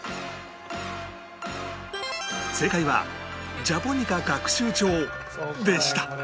正解はジャポニカ学習帳でした